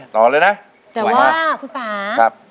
แต่ว่าคุณป่า